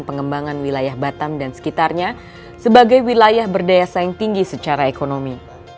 pengembangan wilayah batam dan sekitarnya sebagai wilayah berdaya saing tinggi secara ekonomi